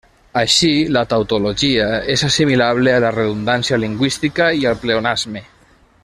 Així, la tautologia és assimilable a la redundància lingüística i al pleonasme.